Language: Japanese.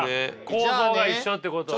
構造が一緒ってことだ。